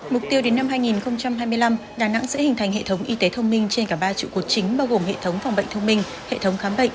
mục tiêu đến năm hai nghìn hai mươi năm đà nẵng sẽ hình thành hệ thống y tế thông minh trên cả ba trụ cột chính bao gồm hệ thống phòng bệnh thông minh hệ thống khám bệnh